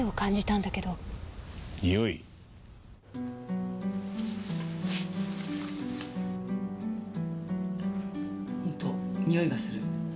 ほんとにおいがする。